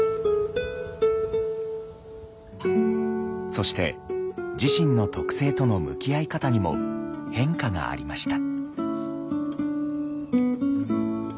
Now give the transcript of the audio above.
そして自身の特性との向き合い方にも変化がありました。